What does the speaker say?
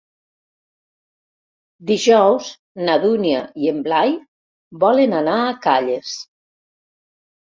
Dijous na Dúnia i en Blai volen anar a Calles.